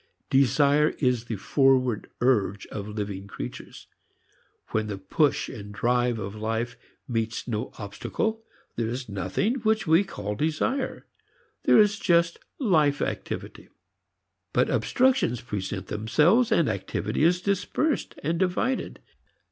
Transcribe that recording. Desire is the forward urge of living creatures. When the push and drive of life meets no obstacle, there is nothing which we call desire. There is just life activity. But obstructions present themselves, and activity is dispersed and divided.